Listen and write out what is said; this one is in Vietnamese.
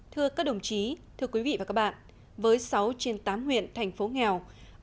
thưa các đồng chí thưa quý vị và các bạn với sáu trên tám huyện thành phố nghèo